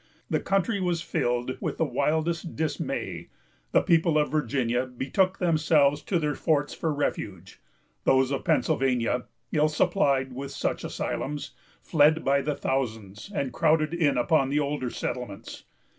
The country was filled with the wildest dismay. The people of Virginia betook themselves to their forts for refuge. Those of Pennsylvania, ill supplied with such asylums, fled by thousands, and crowded in upon the older settlements.